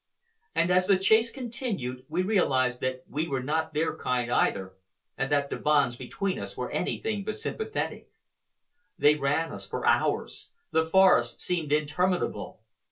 And as the chase continued, we realized that we were not their kind, either, and that the bonds between us were anything but sympathetic. They ran us for hours. The forest seemed interminable.